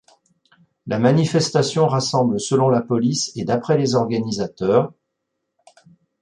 La manifestation rassemble selon la police et d'après les organisateurs.